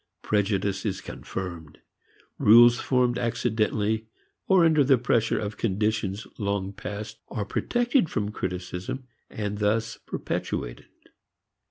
Prejudice is confirmed. Rules formed accidentally or under the pressure of conditions long past, are protected from criticism and thus perpetuated.